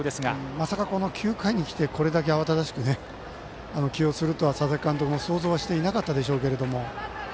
まさか９回に来てこれだけ慌しく起用するとは佐々木監督も想像していなかったでしょうが。